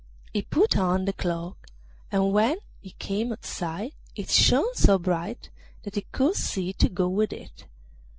He put on the cloak, and when he came outside it shone so bright that he could see to go with it.